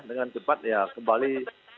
dengan cepat ya kembali